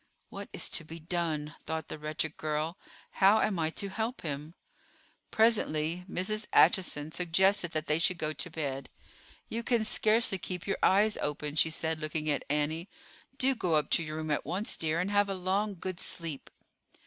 "What is to be done?" thought the wretched girl. "How am I to help him?" Presently Mrs. Acheson suggested that they should go to bed. "You can scarcely keep your eyes open," she said, looking at Annie. "Do go up to your room at once, dear, and have a long, good sleep."